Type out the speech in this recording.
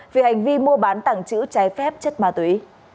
về hành vi mua bán tảng chữ cháy phép chất ma túy